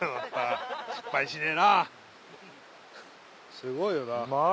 ・すごいよなあ。